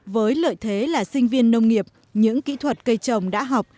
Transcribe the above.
với lợi thế là sinh viên nông nghiệp những kỹ thuật cây trồng đã học